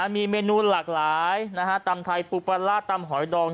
มีเมนูหลากหลายตำไทยปูปลาร่าตำหอยดอง